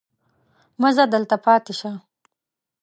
مه ځه دلته پاتې شه.